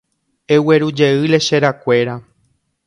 Eguerujey lecherakuéra.